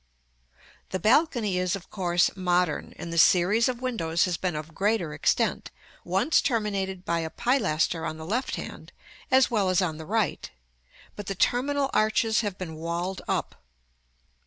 The balcony is, of course, modern, and the series of windows has been of greater extent, once terminated by a pilaster on the left hand, as well as on the right; but the terminal arches have been walled up.